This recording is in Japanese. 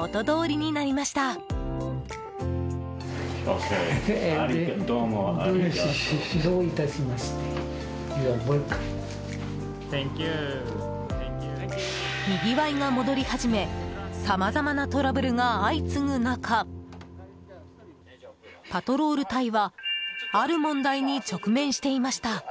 にぎわいが戻り始めさまざまなトラブルが相次ぐ中パトロール隊はある問題に直面していました。